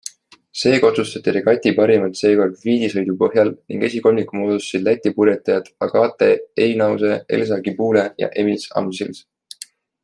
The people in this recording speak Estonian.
Seega otsustati regati parimad seekord fliidisõitude põhjal ning esikolmiku moodustasid Läti purjetajad Agate Einause, Elza Cibule ja Emils Amsils.